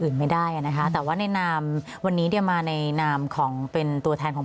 อื่นไม่ได้นะคะแต่ว่าในนามวันนี้เนี่ยมาในนามของเป็นตัวแทนของ